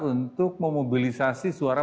untuk memobilisasi suara